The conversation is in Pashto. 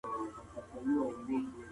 په پلي تګ کي نوي ستونزې نه جوړېږي.